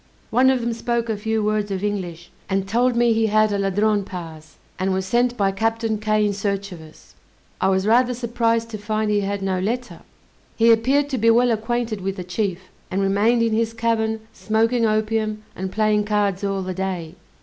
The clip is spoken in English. One of them spoke a few words of English, and told me he had a Ladrone pass, and was sent by Captain Kay in search of us; I was rather surprised to find he had no letter. He appeared to be well acquainted with the chief, and remained in his cabin smoking opium, and playing cards all the day.